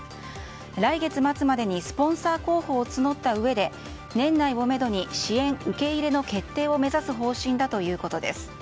来月末までにスポンサー候補を募ったうえで年内をめどに支援受け入れの決定を目指す方針だということです。